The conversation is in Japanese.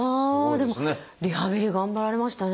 でもリハビリ頑張られましたね。